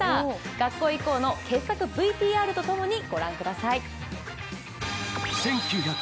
「学校へ行こう！」の傑作ＶＴＲとともに御覧ください。